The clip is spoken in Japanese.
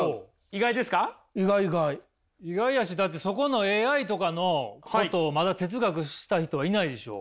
意外やしだってそこのＡＩとかのことをまだ哲学した人はいないでしょ？